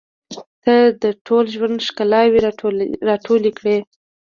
• ته د ټول ژوند ښکلاوې راټولې کړې.